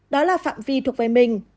đó là phạm vi thuộc về mình